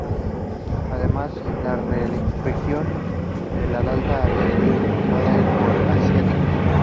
Además la región del Delta había sido invadida por asiáticos.